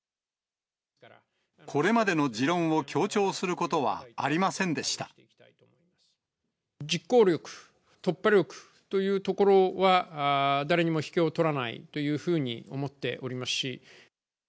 これまでの持論を強調するこ実行力、突破力というところは、誰にも引けを取らないというふうに思っておりますし。